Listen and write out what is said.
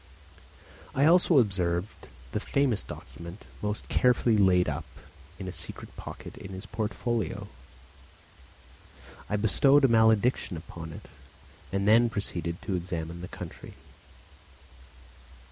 I also observed the famous document most carefully laid up in a secret pocket in his portfolio. I bestowed a malediction upon it, and then proceeded to examine the country.